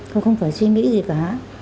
cô không phải suy nghĩ gì cả